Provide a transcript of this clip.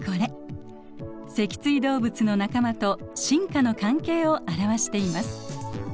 脊椎動物の仲間と進化の関係を表しています。